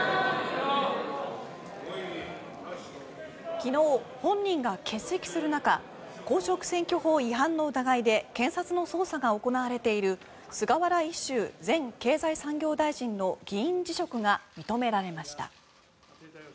昨日、本人が欠席する中公職選挙法違反の疑いで検察の捜査が行われている菅原一秀前経済産業大臣の議員辞職が認められました。